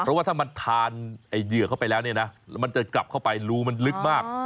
เพราะว่าถ้ามันทานไอ้เหยื่อเข้าไปแล้วเนี่ยนะแล้วมันจะกลับเข้าไปรูมันลึกมาก